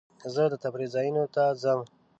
زه د تفریح ځایونو ته ځم.